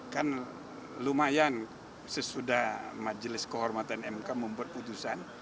kan lumayan sesudah majelis kehormatan mk membuat putusan